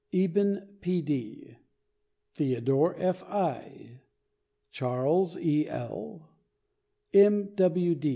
Eben P. D., Theodore F. I., Charles E. L., M.